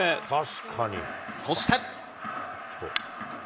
そして。